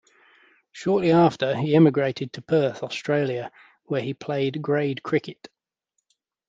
Shortly after, he emigrated to Perth, Australia, where he played grade cricket.